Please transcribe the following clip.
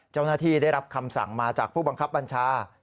เจ้าหน้าที่ได้รับคำสั่งมาจากผู้บังคับบัญชา